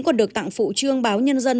còn được tặng phụ trương báo nhân dân